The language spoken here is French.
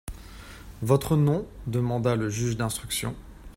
Votre nom ? demanda le juge d'instruction.